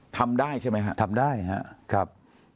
ทำได้ใช่ไหมฮะทำได้ครับ